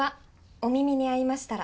『お耳に合いましたら。』